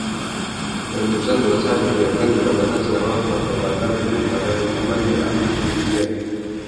Penebusan dosa dibiarkan dibatalkan selama pertobatan hidup pada hukuman di Api Penyucian.